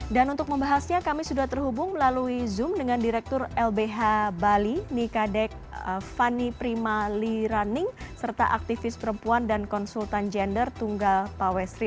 dan untuk membahasnya kami sudah terhubung melalui zoom dengan direktur lbh bali nikadek fani prima liraning serta aktivis perempuan dan konsultan gender tunggal pawesri